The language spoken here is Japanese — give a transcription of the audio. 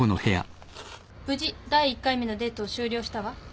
無事第１回目のデートを終了したわ。